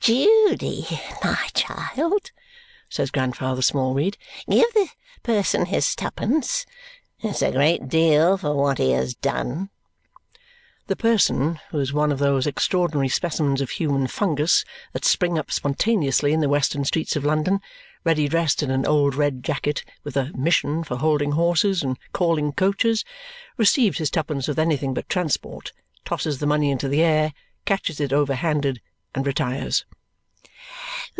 "Judy, my child," says Grandfather Smallweed, "give the person his twopence. It's a great deal for what he has done." The person, who is one of those extraordinary specimens of human fungus that spring up spontaneously in the western streets of London, ready dressed in an old red jacket, with a "mission" for holding horses and calling coaches, received his twopence with anything but transport, tosses the money into the air, catches it over handed, and retires.